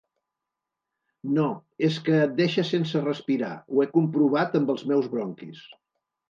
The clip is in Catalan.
No, és que et deixa sense respirar, ho he comprovat amb els meus bronquis.